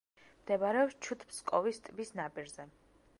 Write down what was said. მდებარეობს ჩუდ-ფსკოვის ტბის ნაპირზე.